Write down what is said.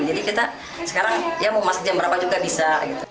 jadi kita sekarang mau masak jam berapa juga bisa